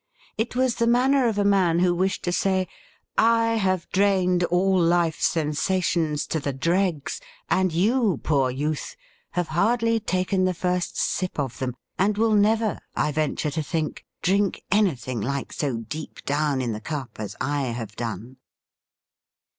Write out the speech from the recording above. It was the manner of a man who wished to say :' I have drained all life's sensations to the dregs, and you, poor youth ! have hardly taken the first sip of them, and will never, I venture to think, di'ink anything like so deep down in the cup as I have done.'